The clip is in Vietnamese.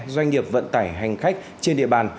doanh nghiệp vận tải hành khách trên địa bàn